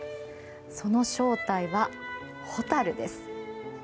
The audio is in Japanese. その正体はホタルです。